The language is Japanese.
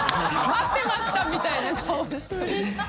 待ってましたみたいな顔して。